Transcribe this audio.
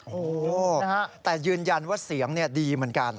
โอ้โหแต่ยืนยันว่าเสียงดีเหมือนกัน